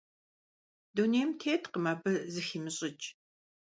Дунейм теткъым абы зыхимыщӀыкӀ.